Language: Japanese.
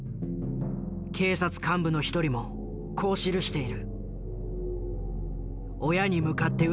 警察幹部の一人もこう記している。